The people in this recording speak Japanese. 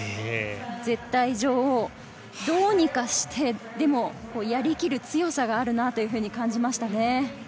絶対女王、どうにかしてでもやりきる強さがあるなと感じましたね。